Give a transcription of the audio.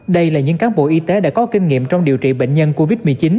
đây là những cán bộ y tế đã có kinh nghiệm trong điều trị bệnh nhân covid một mươi chín